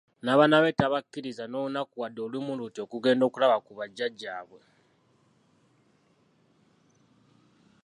N'abaana be tabakkiriza n'olunaku wadde olumu luti okugenda okulaba ku bajjajjaabwe.